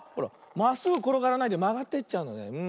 まっすぐころがらないでまがっていっちゃうんだね。